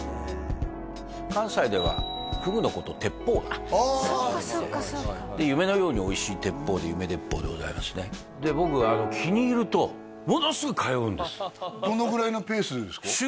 関西ではふぐのこと鉄砲なんていったりするんでで夢のようにおいしい鉄砲で夢鉄砲でございますねで僕気に入るとものすごく通うんですどのぐらいのペースですか？